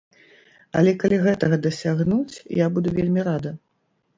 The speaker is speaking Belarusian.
Але калі гэтага дасягнуць, я буду вельмі рада.